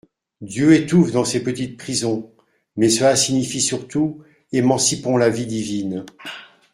Dieu étouffe dans ces petites prisons ! Mais cela signifie surtout : Émancipons la vie divine.